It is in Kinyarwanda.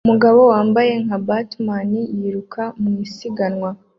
Umugabo wambaye nka Batman yiruka mu isiganwa